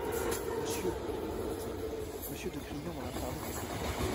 Monsieur, murmura-t-il, Monsieur de Crillon m'en a parlé quelquefois.